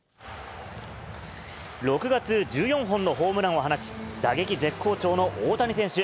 ６月、１４本のホームランを放ち、打撃絶好調の大谷選手。